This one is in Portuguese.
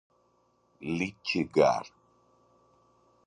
litigar